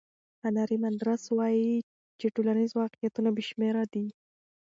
هانري مندراس وایي چې ټولنیز واقعیتونه بې شمېره دي.